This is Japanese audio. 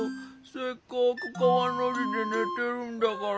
せっかくかわのじでねてるんだから。